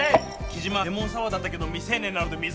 木島レモンサワーだったけど未成年なので水。